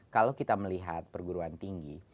kalau kita melihat perguruan tinggi